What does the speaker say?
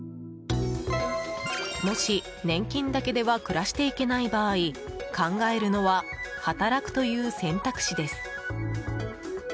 もし、年金だけでは暮らしていけない場合考えるのは働くという選択肢です。